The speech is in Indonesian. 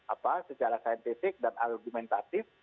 apa secara saintifik dan argumentatif